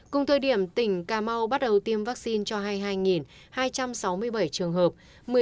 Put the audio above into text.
cùng thời điểm tỉnh cà mau bắt đầu tiêm vaccine cho hai mươi hai hai trăm sáu mươi bảy trường hợp